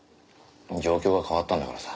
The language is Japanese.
状況が変わったんだからさ。